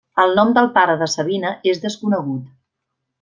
El nom del pare de Sabina és desconegut.